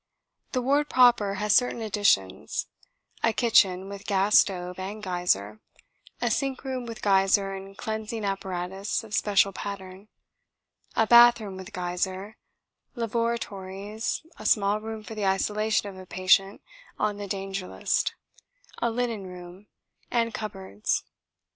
The ward proper has certain additions: a kitchen with gas stove and geyser; a sink room with geyser and cleansing apparatus of special pattern; a bathroom with geyser; lavatories; a small room for the isolation of a patient on the danger list; a linen room; and cupboards.